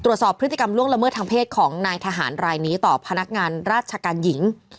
ตรวจสอบพฤติกรรมล่วงละเมิดทางเพศของนายทหารรายนี้ต่อพนักงานราชการหญิง